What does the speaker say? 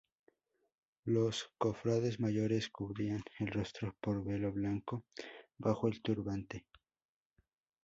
Los cofrades mayores cubrían el rostro con velo blanco bajo el turbante.